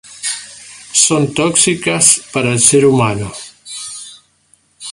Son tóxicas para el ser humano.